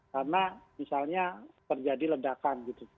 karena misalnya terjadi ledakan gitu